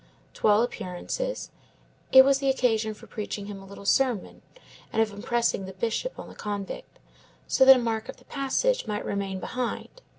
To all appearances, it was an occasion for preaching him a little sermon, and of impressing the Bishop on the convict, so that a mark of the passage might remain behind.